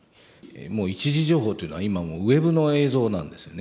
１次情報というのは今もうウェブの映像なんですよね。